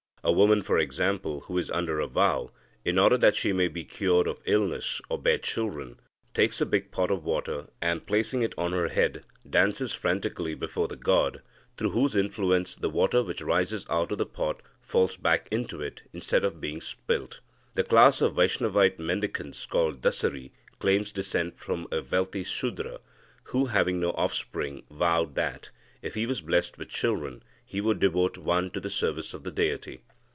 A woman, for example, who is under a vow, in order that she may be cured of illness or bear children, takes a big pot of water, and, placing it on her head, dances frantically before the god, through whose influence the water which rises out of the pot falls back into it, instead of being spilt. The class of Vaishnavite mendicants called Dasari claims descent from a wealthy Sudra, who, having no offspring, vowed that, if he was blessed with children, he would devote one to the service of the deity.